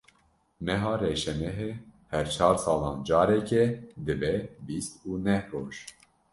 Meha reşemehê her çar salan carekê dibe bîst û neh roj.